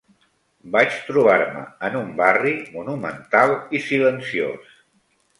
Vaig trobar-me en un barri monumental i silenciós